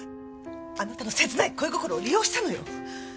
あなたの切ない恋心を利用したのよ。